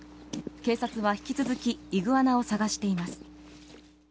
警察は引き続きイグアナを捜しています。